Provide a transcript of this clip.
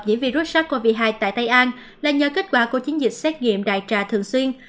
nhiễm virus sars cov hai tại tây an là nhờ kết quả của chiến dịch xét nghiệm đại trà thường xuyên